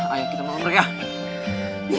ayo kita mau ke rumah ya